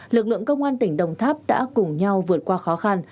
lực lượng công an tỉnh đồng tháp đã cùng nhau vượt qua khó khăn